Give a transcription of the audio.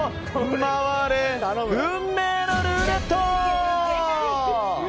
回れ、運命のルーレット！